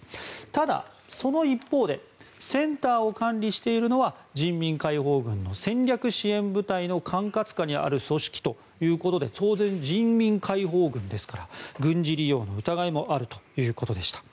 ただ、その一方でセンターを管理しているのは人民解放軍の戦略支援部隊の管轄下にある組織ということで当然、人民解放軍ですから軍事利用の疑いもあるということでした。